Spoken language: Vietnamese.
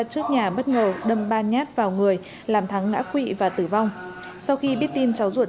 trước nhà bất ngờ đâm ba nhát vào người làm thắng ngã quỵ và tử vong sau khi biết tin cháu ruột